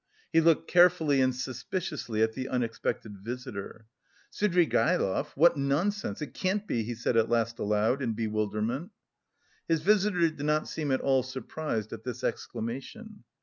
He looked carefully and suspiciously at the unexpected visitor. "Svidrigaïlov! What nonsense! It can't be!" he said at last aloud in bewilderment. His visitor did not seem at all surprised at this exclamation.